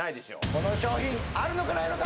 この商品あるのかないのか？